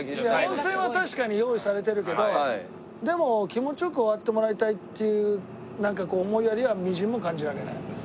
温泉は確かに用意されてるけどでも気持ちよく終わってもらいたいっていうなんかこう思いやりはみじんも感じられない。